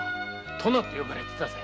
「殿」って呼ばれてたぜ。